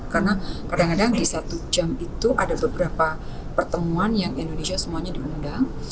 karena kadang kadang di satu jam itu ada beberapa pertemuan yang indonesia semuanya diundang